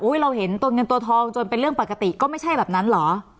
เราเห็นตัวเงินตัวทองจนเป็นเรื่องปกติก็ไม่ใช่แบบนั้นเหรอ